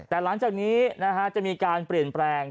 แต่หลังจากนี้จะมีการเปลี่ยนแปลง